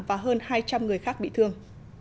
và hơn hai trăm linh người khác bị thương